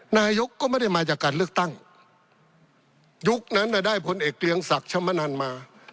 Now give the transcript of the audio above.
นายกก็ไม่ได้มาจากการเลือกตั้งยุคนั้นน่ะได้ผลเอกเกรียงศักดิ์ชมนันมา